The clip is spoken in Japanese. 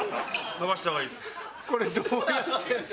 伸ばした方がいいです。